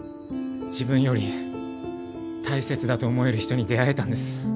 自分より大切だと思える人に出会えたんです。